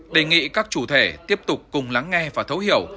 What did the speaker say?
đề nghị các chủ thể tiếp tục cùng lắng nghe và thấu hiểu